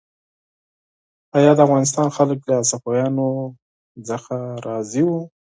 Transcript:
آیا د افغانستان خلک له صفویانو څخه راضي وو؟